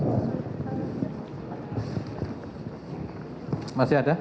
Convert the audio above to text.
dasar syurga dan sumber daya